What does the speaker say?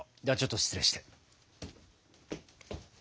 ではちょっと失礼して。